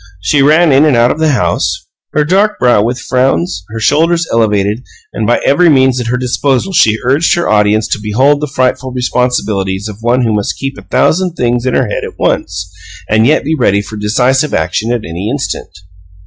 She ran in and out of the house, her brow dark with frowns, her shoulders elevated; and by every means at her disposal she urged her audience to behold the frightful responsibilities of one who must keep a thousand things in her head at once, and yet be ready for decisive action at any instant.